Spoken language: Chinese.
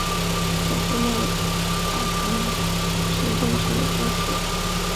小松内大臣平重盛的正室。